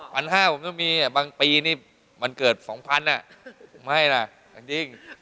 ๑๕๐๐ผมต้องมีบางปีนี่มันเกิด๒๐๐๐อ่ะไม่ล่ะจริง